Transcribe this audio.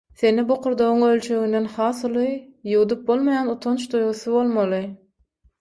Sende bokurdagyň ölçeginden has uly, ýuwdup bolmaýan utanç duýgusy bolmaly.